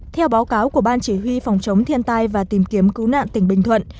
theo báo cáo của ban chỉ huy phòng chống thiên tai và tìm kiếm cứu nạn tỉnh bình thuận